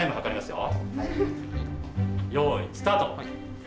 よいスタート。